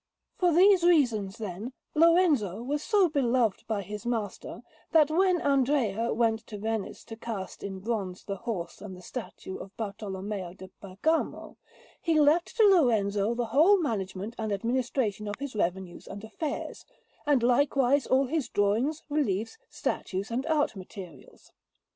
For these reasons, then, Lorenzo was so beloved by his master, that, when Andrea went to Venice to cast in bronze the horse and the statue of Bartolommeo da Bergamo, he left to Lorenzo the whole management and administration of his revenues and affairs, and likewise all his drawings, reliefs, statues, and art materials.